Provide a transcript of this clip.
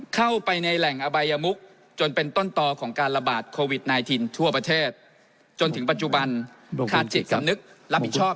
เข้าไปในแหล่งอบายมุกจนเป็นต้นต่อของการระบาดโควิด๑๙ทั่วประเทศจนถึงปัจจุบันขาดจิตสำนึกรับผิดชอบ